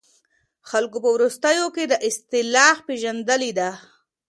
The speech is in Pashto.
خلګو په وروستيو کې دا اصطلاح پېژندلې ده.